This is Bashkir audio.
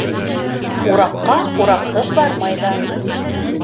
Ураҡҡа ураҡһыҙ бармайҙар.